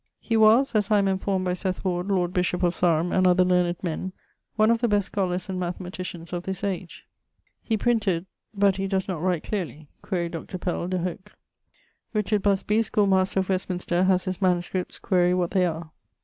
He was (as I am enformed by Seth Ward, Lord Bishop of Sarum, and other learned men) one of the best scholars and mathematicians of this age. He printed ... but he does not write clearly (quaere Dr. Pell de hoc). Richard Busby, schoolmaster of Westminster, has his MSS.; quaere what they are.